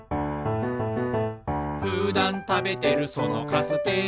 「ふだんたべてるそのカステラ」